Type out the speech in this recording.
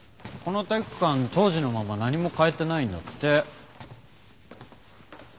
この体育館当時のまま何も変えてないんだって。